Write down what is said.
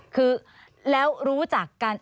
คือแล้วรู้จักกัน